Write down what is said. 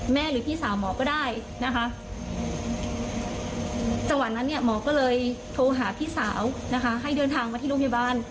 แม่หรือพี่สาวหมอก็ได้จังหวัดนั้นหมอก็เลยโทรหาพี่สาวให้เดินทางมาที่โรงพยาบาล